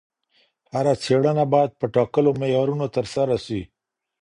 هره څېړنه باید په ټاکلو معیارونو ترسره سي.